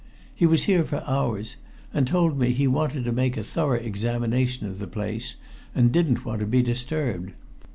He was here for hours, and told me he wanted to make a thorough examination of the place and didn't want to be disturbed.